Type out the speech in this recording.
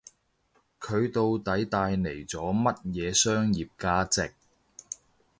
佢到底帶嚟咗乜嘢商業價值